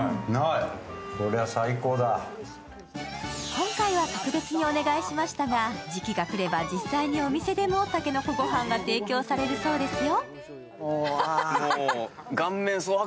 今回は特別にお願いしましたが時期が来れば、実際にお店でも竹の子ご飯が提供されるそうですよ。